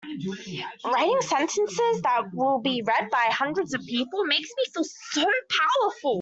Writing sentences that will be read by hundreds of people makes me feel so powerful!